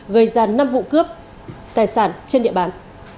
gây ra năm vụ cướp tài sản trên địa bàn